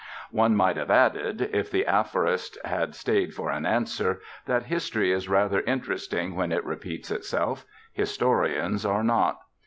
One might have added, if the aphorist had stayed for an answer, that history is rather interesting when it repeats itself: historians are not.